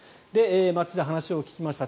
街で話を聞きました。